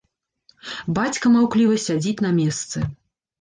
Бацька маўкліва сядзіць на месцы.